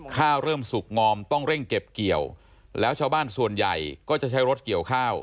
ข้าวเริ่มสุกงอมต้องเร่งเก็บเกี่ยวแล้วชาวบ้านส่วนใหญ่ก็จะใช้รถเกี่ยวข้าว